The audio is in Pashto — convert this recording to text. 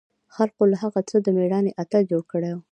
خلقو له هغه څخه د مېړانې اتل جوړ کړى و.